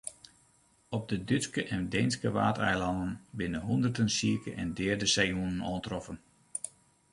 Op de Dútske en Deenske Waadeilannen binne hûnderten sike en deade seehûnen oantroffen.